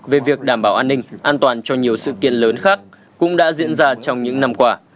về việc đảm bảo an ninh an toàn cho nhiều sự kiện lớn khác cũng đã diễn ra trong những năm qua